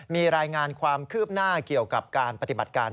มีรายงานความคืบหน้าเกี่ยวกับการปฏิบัติการ